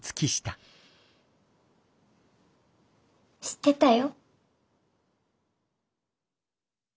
知ってたよ。